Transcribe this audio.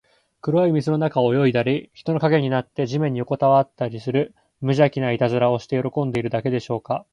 黒い水の中を泳いだり、人の影になって地面によこたわったりする、むじゃきないたずらをして喜んでいるだけでしょうか。